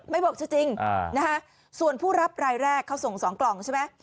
บอกชื่อจริงส่วนผู้รับรายแรกเขาส่ง๒กล่องใช่ไหม